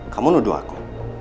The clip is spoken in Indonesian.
kamu nuduh aku